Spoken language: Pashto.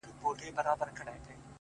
خپـله گرانـه مړه مي په وجود كي ده!!